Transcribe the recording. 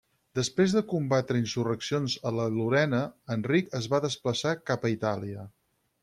Després de combatre insurreccions a la Lorena, Enric es va desplaçar cap a Itàlia.